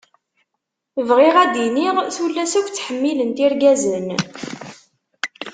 Bɣiɣ ad d-iniɣ tullas akk ttḥemmilent irgazen.